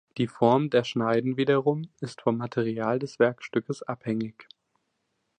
Die Form der Schneiden wiederum ist vom Material des Werkstückes abhängig.